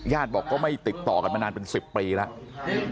บอกก็ไม่ติดต่อกันมานานเป็น๑๐ปีแล้ว